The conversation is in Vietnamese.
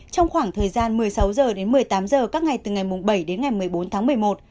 trong khoảng thời gian một mươi sáu h đến một mươi tám h các ngày từ ngày bảy đến ngày một mươi bốn tháng một mươi một